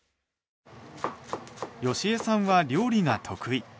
好江さんは料理が得意。